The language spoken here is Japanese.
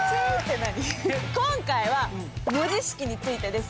今回は文字式についてです。